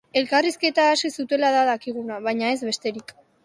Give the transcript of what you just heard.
Elkarrizketa hasi zutela da dakiguna, baina ez besterik.